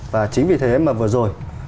và chính vì thế mà vừa rồi